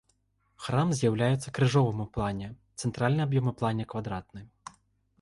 Храм з'яўляецца крыжовым у плане, цэнтральны аб'ём у плане квадратны.